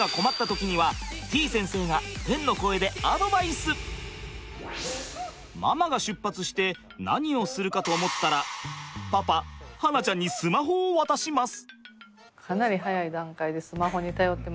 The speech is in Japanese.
そしてママが出発して何をするかと思ったらパパ巴梛ちゃんにスマホを渡します。